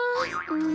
うん！